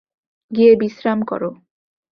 গিয়ে বিশ্রাম করো।